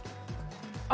あ。